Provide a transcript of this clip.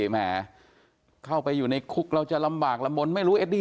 แหมเข้าไปอยู่ในคุกเราจะลำบากลำมนไม่รู้เอดดี้